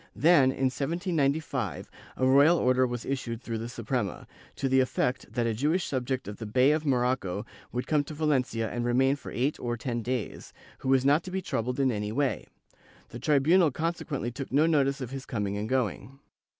Then, in 1795 a royal order was issued through the Suprema, to the effect that a Jewish subject of the Bey of Morocco would come to Valencia and remain for eight or ten days, who was not to be troubled in any way; the tribunal consequently took no notice of his coming and going.